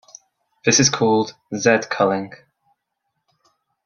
This is called z-culling.